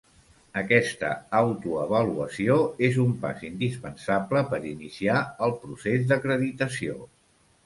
Aquesta autoavaluació és un pas indispensable per iniciar el procés d'acreditació.